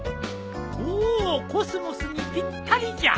おおコスモスにぴったりじゃ。